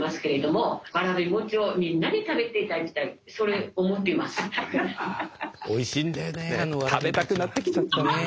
食べたくなってきちゃったね。